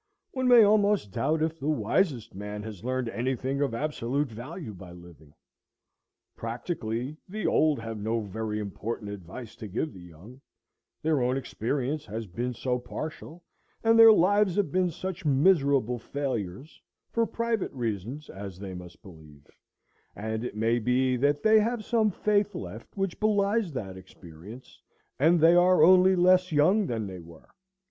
One may almost doubt if the wisest man has learned any thing of absolute value by living. Practically, the old have no very important advice to give the young, their own experience has been so partial, and their lives have been such miserable failures, for private reasons, as they must believe; and it may be that they have some faith left which belies that experience, and they are only less young than they were.